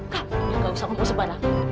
kamu gak usah ngomong sebarang